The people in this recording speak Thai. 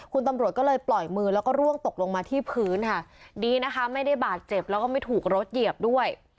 คุณตำรวจก็เลยปล่อยมือแล้วก็ร่วงตกลงมาที่พื้นค่ะดีนะคะไม่ได้บาดเจ็บแล้วก็ไม่ถูกรถเหยียบด้วย